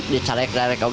di cari kelari kau